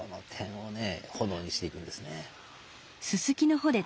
炎にしていくんですね。